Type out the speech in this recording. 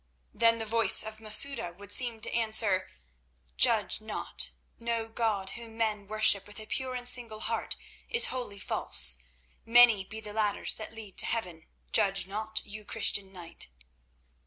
Then the voice of Masouda would seem to answer: "Judge not. No god whom men worship with a pure and single heart is wholly false. Many be the ladders that lead to heaven. Judge not, you Christian knight."